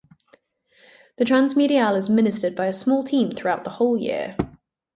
The transmediale is ministered by a small team throughout the whole year.